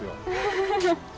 フフフフ。